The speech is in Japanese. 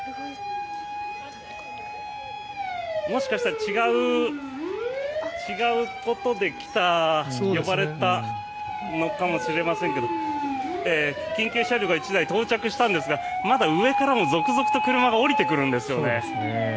もしかしたら、違うことで呼ばれたのかもしれませんが緊急車両が１台到着したんですがまだ上からも続々と車が下りてくるんですよね。